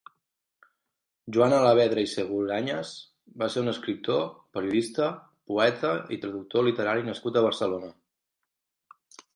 Joan Alavedra i Segurañas va ser un escriptor, periodista, poeta i traductor literari nascut a Barcelona.